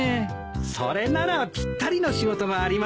それならぴったりの仕事がありますよ。